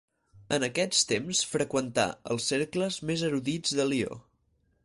En aquest temps freqüentà els cercles més erudits de Lió.